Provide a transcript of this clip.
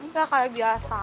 gak kayak biasa